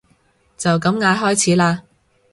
就咁嗌開始啦